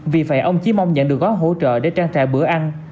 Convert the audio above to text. vì vậy ông chỉ mong nhận được gói hỗ trợ để trang trại bữa ăn